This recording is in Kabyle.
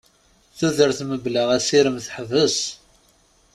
Tudert mebla asirem teḥbes.